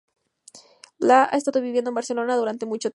Blay ha estado viviendo en Barcelona durante mucho tiempo.